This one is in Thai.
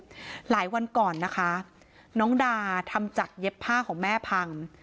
หลายวันก่อนนะคะน้องดาทำจากเย็บผ้าของแม่พัง